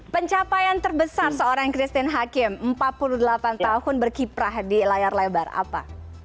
pencapaian terbesar seorang christine hakim empat puluh delapan tahun berkiprah di layar lebar apa